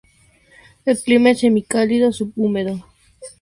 El clima es semicálido subhúmedo con lluvias en verano, de menor humedad.